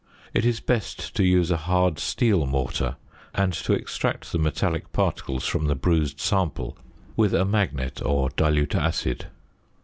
It is best to use a hard steel mortar and to extract the metallic particles from the bruised sample with a magnet or dilute acid.